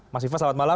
mas siva selamat malam